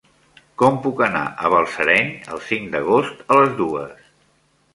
Com puc anar a Balsareny el cinc d'agost a les dues?